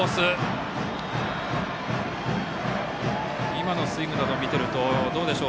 今のスイングなどを見てるとどうでしょう。